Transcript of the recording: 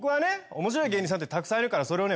面白い芸人さんってたくさんいるからそれをね